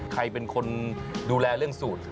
ใครเป็นคนดูแลเรื่องสูตร